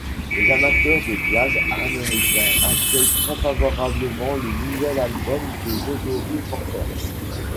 Les amateurs de jazz américains accueillent très favorablement le nouvel album de Gregory Porter.